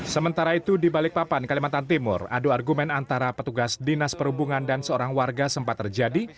sementara itu di balikpapan kalimantan timur adu argumen antara petugas dinas perhubungan dan seorang warga sempat terjadi